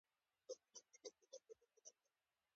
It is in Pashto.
کله چې تر منزل ورسېدو.